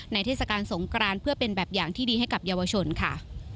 เทศกาลสงกรานเพื่อเป็นแบบอย่างที่ดีให้กับเยาวชนค่ะ